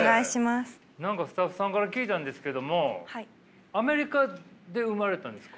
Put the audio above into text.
何かスタッフさんから聞いたんですけどもアメリカで生まれたんですか。